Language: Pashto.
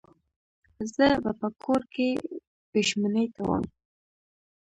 زه به په کور کې پیشمني کوم